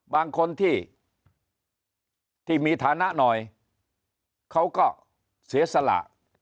บางคนที่มีฐานะหน่อยเขาก็เสียสละ